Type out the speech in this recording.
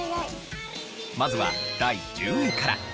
まずは第１０位から。